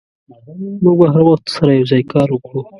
موږ به هر وخت سره یوځای کار وکړو.